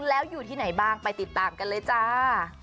แล้วอยู่ที่ไหนบ้างไปติดตามกันเลยจ้า